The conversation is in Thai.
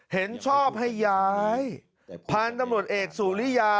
เห็นโชคให้ย้ายผ่านตำรวจเอกศุฬยา